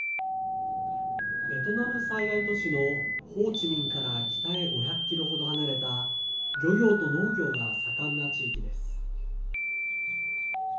ベトナム最大都市のホーチミンから北へ５００ｋｍ程離れた漁業と農業が盛んな地域です。